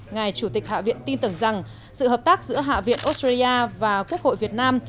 ngài chủ tịch hạ viện tin tưởng rằng sự hợp tác giữa hạ viện australia và quốc hội việt nam